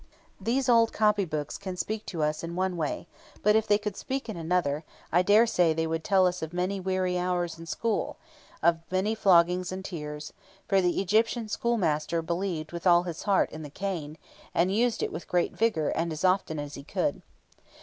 These old copy books can speak to us in one way, but if they could speak in another, I daresay they would tell us of many weary hours in school, and of many floggings and tears; for the Egyptian school master believed with all his heart in the cane, and used it with great vigour and as often as he could.